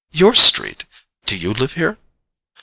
"Your street? Do you live here?"